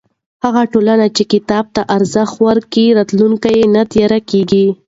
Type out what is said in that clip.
هغه ټولنه چې کتاب ته ارزښت ورکوي، راتلونکی یې نه تیاره کېږي.